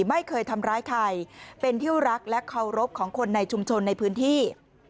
ไม่เคยทำร้ายใครเป็นที่รักและเคารพของคนในชุมชนในพื้นที่